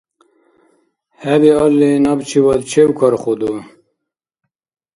- ХӀебиалли, набчивадра чевкархуду?